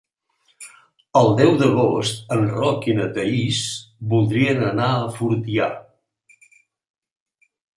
El deu d'agost en Roc i na Thaís voldrien anar a Fortià.